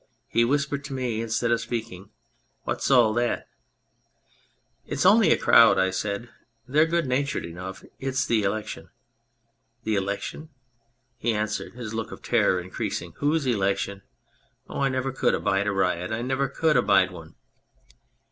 He whispered to me, instead of speaking, " What's all that ?"" It's only a crowd," I said. " They're good natured enough. It's the election." " The election ?" he answered, his look of terror increasing. " Whose election ? Oh, I never could abide a riot ! I never could abide one